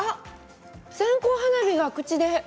線香花火が口で。